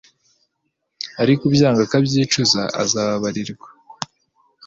ariko ubyanga akabyicuza azababarirwa